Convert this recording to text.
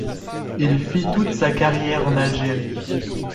Il fit toute sa carrière en Algérie.